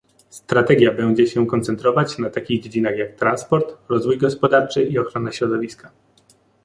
Strategia będzie się koncentrować na takich dziedzinach, jak transport, rozwój gospodarczy i ochrona środowiska